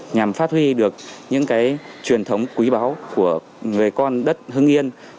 nhằm phát huy được những truyền thống quý báu về con đất hưng yên